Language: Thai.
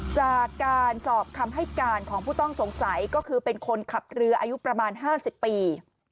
จากการสอบคำให้การของผู้ต้องสงสัยก็คือเป็นคนขับเรืออายุประมาณ๕๐ปี